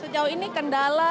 sejauh ini kendala